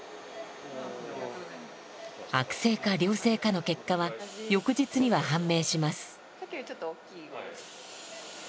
悪性か良性かの結果は翌日には判明します。